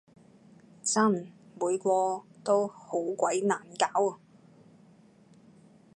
真！每個都好鬼難搞